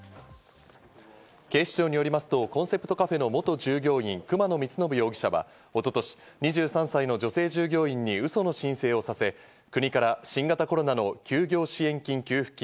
警視庁によりますと、コンセプトカフェの元従業員・熊野光伸容疑者は一昨年、２３歳の女性従業員にウソの申請をさせ、国から新型コロナの休業支援金・給付金